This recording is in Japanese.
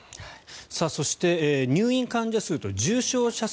そして入院患者数と重症者数